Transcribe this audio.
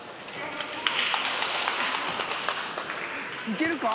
いけるか！？